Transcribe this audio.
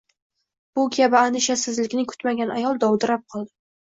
Bu kabi andishasizlikni kutmagan ayol dovdirab qoldi